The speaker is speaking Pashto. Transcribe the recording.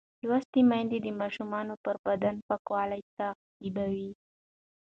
لوستې میندې د ماشوم پر بدن پاکوالی تعقیبوي.